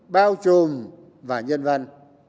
bao trùm và nhân văn